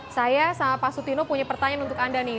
saya sama pak sutino punya pertanyaan untuk anda nih